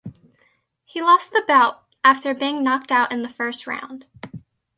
He lost the bout after being knocked out in the first round.